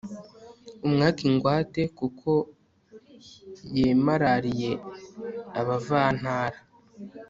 umwake ingwate kuko yemarariye abavantara